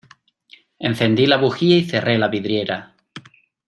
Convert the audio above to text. Encendí la bujía y cerré la vidriera.